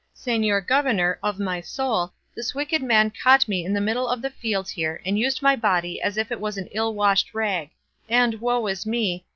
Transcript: Señor governor of my soul, this wicked man caught me in the middle of the fields here and used my body as if it was an ill washed rag, and, woe is me!